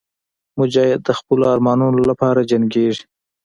مجاهد د خپلو ارمانونو لپاره جنګېږي.